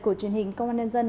của truyền hình công an nhân dân